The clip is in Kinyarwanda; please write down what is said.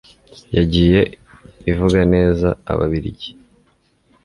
yagiye ivuga neza ababiligi